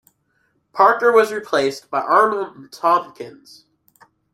Parker was replaced by Arnold Tompkins.